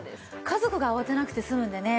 家族が慌てなくて済むんでね。